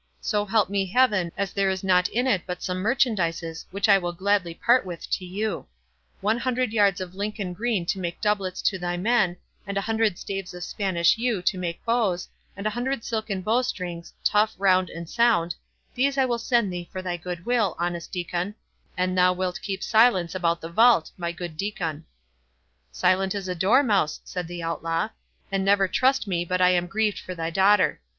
So help me Heaven, as there is nought in it but some merchandises which I will gladly part with to you—one hundred yards of Lincoln green to make doublets to thy men, and a hundred staves of Spanish yew to make bows, and a hundred silken bowstrings, tough, round, and sound—these will I send thee for thy good will, honest Diccon, an thou wilt keep silence about the vault, my good Diccon." "Silent as a dormouse," said the Outlaw; "and never trust me but I am grieved for thy daughter.